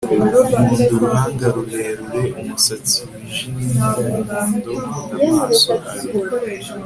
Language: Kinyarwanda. nkunda uruhanga rurerure, umusatsi wijimye-wumuhondo, nkunda amaso abiri